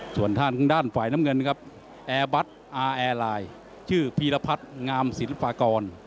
ส่วนทางด้านฝ่ายน้ำเงินครับแอร์บัตรอาร์แอร์ไลน์ชื่อพีรพัฒน์งามศิลปากร